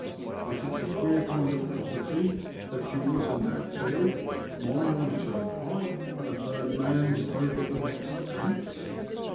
But its a queer kind of property that's yours in that field, mine on the turnpike, and a third man's over the next fence."